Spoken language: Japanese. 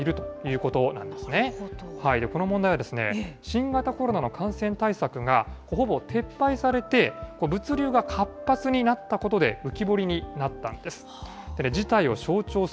この問題はですね、新型コロナの感染対策が、ほぼ撤廃されて、物流が活発になったことで、浮き彫りになったんです。